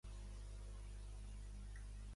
Begala professa el catolicisme.